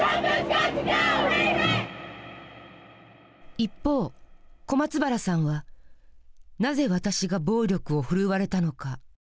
一方小松原さんは「なぜ私が暴力をふるわれたのか？」